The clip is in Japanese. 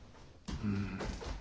うん。